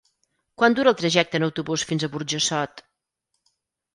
Quant dura el trajecte en autobús fins a Burjassot?